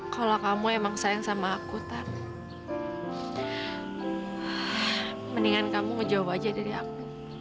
kalau kamu emang sayang sama aku tapi mendingan kamu ngejawab aja dari aku